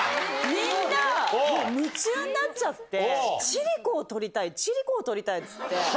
みんな夢中になっちゃって、千里子を撮りたい、千里子を撮りたいっつって。